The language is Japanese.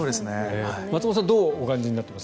松本さんはどうお感じになっています？